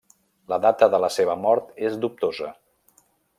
La data de la seva mort és dubtosa.